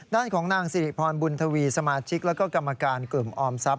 ด้านของนางสิริพรบุญทวีสมาชิกแล้วก็กรรมการกลุ่มออมทรัพย